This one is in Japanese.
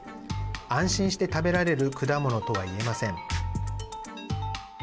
安心して食べられる果物とは言えません。